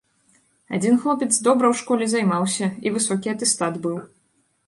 Адзін хлопец добра ў школе займаўся і высокі атэстат быў.